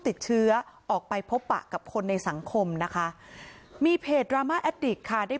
ติดเชื้อออกไปพบปะกับคนในสังคมนะคะมีเพจค่ะได้